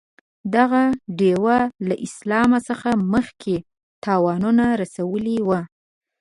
دغه دېو له اسلام څخه مخکې تاوانونه رسولي وه.